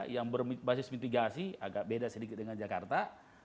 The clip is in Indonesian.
yang berbasis mitigasi agak beda sedikit dengan jakarta